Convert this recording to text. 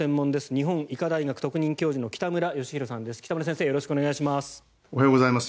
日本医科大学特任教授の北村義浩さんです。